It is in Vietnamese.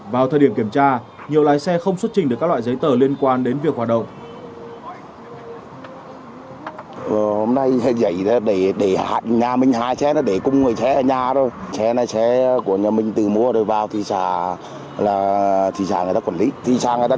vào thời điểm kiểm tra nhiều lái xe không xuất trình được các loại giấy tờ liên quan đến việc hoạt động